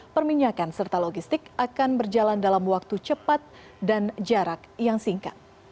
perminyakan serta logistik akan berjalan dalam waktu cepat dan jarak yang singkat